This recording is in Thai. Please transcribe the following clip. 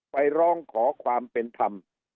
ไปร้องขอความเป็นธรรม